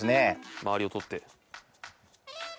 周りを取って。